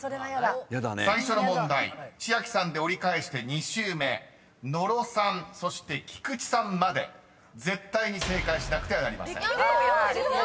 ［最初の問題千秋さんで折り返して２周目野呂さんそして菊地さんまで絶対に正解しなくてはなりません］